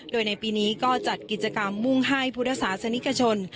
โดยในปีนี้ก็จัดกิจกรรมมุ่งให้พุทธศาสนิกชน